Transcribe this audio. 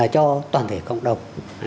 cho toàn thể cộng đồng